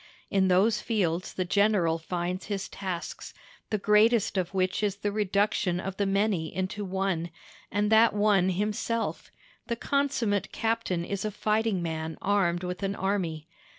In those fields the general finds his tasks, the greatest of which is the reduction of the many into one, and that one himself; the consummate captain is a fighting man armed with an army.